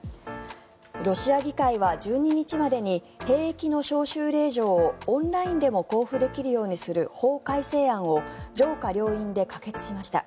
ロシア議会は１２日までに兵役の招集令状をオンラインでも交付できるようにする法改正案を上下両院で可決しました。